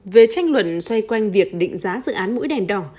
về tranh luận xoay quanh việc định giá dự án mũi đèn đỏ